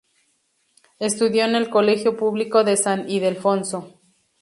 Estudió en el Colegio Público de San Ildefonso.